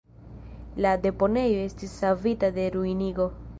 La deponejo estis savita de ruinigo.